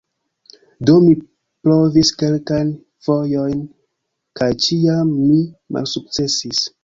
Do mi provis kelkajn fojojn, kaj ĉiam mi malsukcesis.